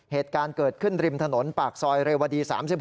เหตุการณ์เกิดขึ้นริมถนนปากซอยเรวดี๓๖